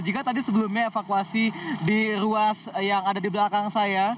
jika tadi sebelumnya evakuasi di ruas yang ada di belakang saya